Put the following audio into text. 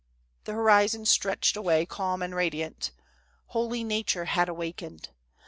The horizon stretched away calm and radiant. Holy nature had awakened.